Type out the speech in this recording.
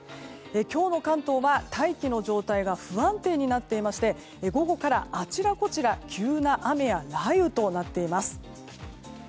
今日の関東は大気の状態が不安定になっていまして午後から、あちらこちら急な雨や雷雨となっています。